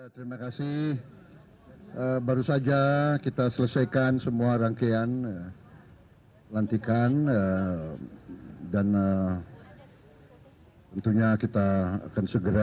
terima kasih baru saja kita selesaikan semua rangkaian pelantikan dan tentunya kita akan segera